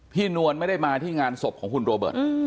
นวลไม่ได้มาที่งานศพของคุณโรเบิร์ต